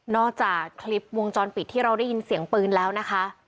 จากคลิปวงจรปิดที่เราได้ยินเสียงปืนแล้วนะคะ